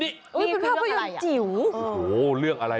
นี่คือเรื่องอะไร